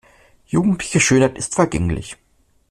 Jugendliche Schönheit ist vergänglich.